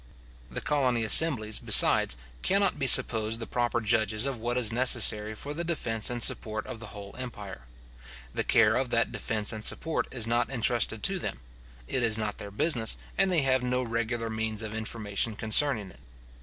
The colony assemblies, besides, cannot be supposed the proper judges of what is necessary for the defence and support of the whole empire. The care of that defence and support is not entrusted to them. It is not their business, and they have no regular means of information concerning it.